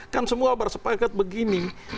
kan semua bersepakat begini